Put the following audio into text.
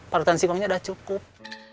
parutan simpangnya udah cukup